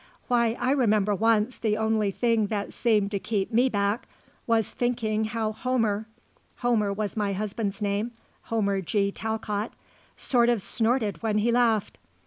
Why I remember once the only thing that seemed to keep me back was thinking how Homer Homer was my husband's name, Homer G. Talcott sort of snorted when he laughed.